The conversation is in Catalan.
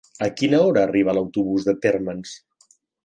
A quina hora arriba l'autobús de Térmens?